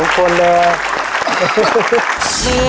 สุดท้ายละ